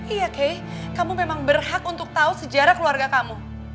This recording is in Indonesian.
iya kay kamu memang berhak untuk tahu sejarah keluarga kamu